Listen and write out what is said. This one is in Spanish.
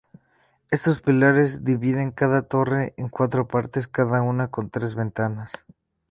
Estos pilares dividen cada torre en cuatro partes, cada una con tres ventanas.